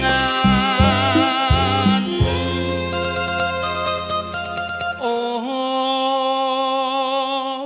ไม่ใช้